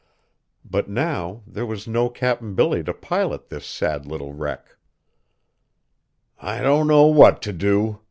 But now there was no Cap'n Billy to pilot this sad little wreck. "I don't know what t' do!"